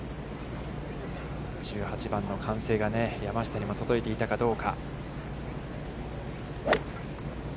１８番の歓声が山下にも届いていたかどうか。